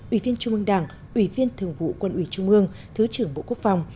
ủy viên trung ương đảng ủy viên thường vụ quân ủy trung ương thứ trưởng bộ quốc phòng